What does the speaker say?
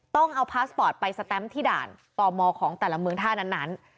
ต้องเอาพาสปอร์ตไปสแตมป์ที่ด่านต่อมอของแต่ละเมืองท่านั้น